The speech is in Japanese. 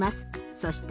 そして。